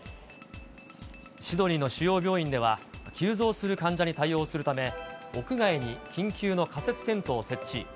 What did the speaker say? シドニーの主要病院では、急増する患者に対応するため、屋外に緊急の仮設テントを設置。